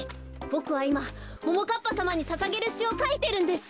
ボクはいまももかっぱさまにささげるしをかいてるんです。